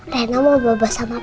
rena mau berbahasa sama papa